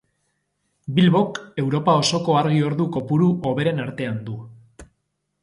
Bilbok Europa osoko argi-ordu kopuru hoberen artean du.